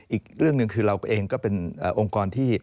อีกเรื่องหนึ่งคือเราเองก็เป็นองค์กรที่